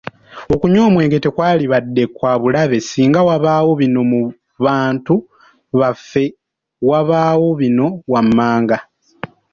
Okunywa omwenge tekwalibadde kwa bulabe singa wabaawo bino mu bantu baffe wabaawo bino wammanga